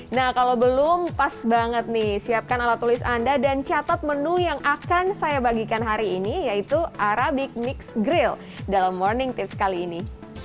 nah kalau belum pas banget nih siapkan alat tulis anda dan catat menu yang akan saya bagikan hari ini yaitu arabic mixed grill dalam morning tips kali ini